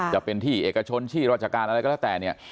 จะเป็นที่เอกชนที่ราชการอะไรก็แล้วแต่เนี่ย